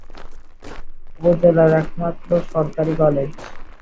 উপজেলার একমাত্র সরকারি কলেজ।